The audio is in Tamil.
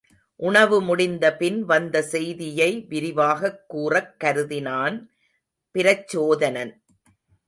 உணவு முடிந்தபின் வந்த செய்தியை விரிவாகக் கூறக் கருதினான் பிரச்சோதனன்.